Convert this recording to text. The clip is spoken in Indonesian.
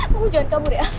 kamu jangan kabur ya